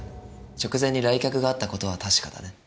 直前に来客があった事は確かだね。